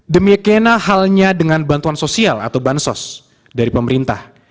demi kena halnya dengan bantuan sosial atau bansos dari pemerintah